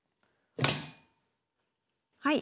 はい。